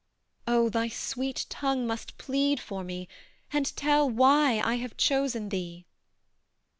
Oh, thy sweet tongue must plead for me And tell why I have chosen thee!